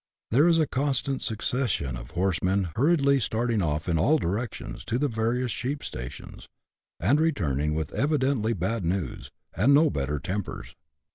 There is a constant succession of horsemen hurriedly starting off in all directions to the various sheep stations, and returning with evidently bad news, and no better tempers.